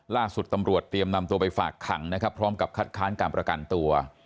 ล่าสุดตำรวจเตรียมนำตัวไปฝากขังนะครับพร้อมกับคัดค้านการประกันตัว